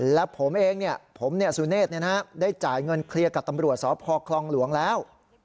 และผมเองผมสุเนธได้จ่ายเงินเคลียร์กับตำรวจสพคลองหลวงแล้ว